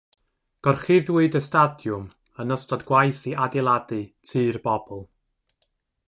Gorchuddiwyd y stadiwm yn ystod gwaith i adeiladu Tŷ'r Bobl.